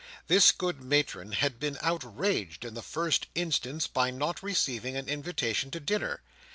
This good matron had been outraged in the first instance by not receiving an invitation to dinner.